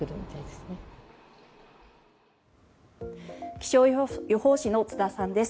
気象予報士の津田さんです